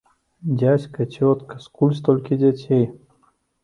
Дзядзька, цётка, скуль столькі дзяцей?